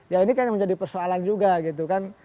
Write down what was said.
ya ini kan yang menjadi persoalan juga gitu kan